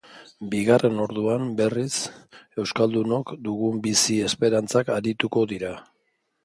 Bigarren orduan, berriz, euskaldunok dugun bizi esperantzaz arituko dira.